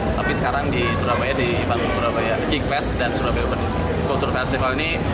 tapi sekarang di surabaya di event surabaya geekfest dan surabaya urban culture festival ini